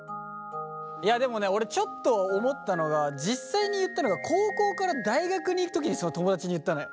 いやでもね俺ちょっと思ったのが実際に言ったのが高校から大学に行く時にその友達に言ったのよ。